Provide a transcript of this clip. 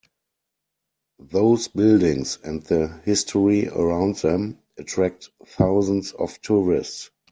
Those buildings and the history around them attract thousands of tourists.